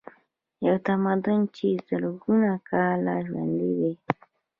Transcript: یو تمدن چې زرګونه کاله ژوندی دی.